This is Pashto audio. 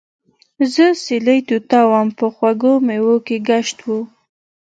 زۀ سېلي طوطا ووم پۀ خوږو مېوو مې ګشت وو